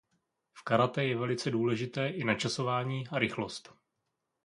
V karate je velice důležité i načasování a rychlost.